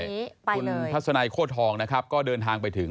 คุณทัศนัยโคตรทองนะครับก็เดินทางไปถึง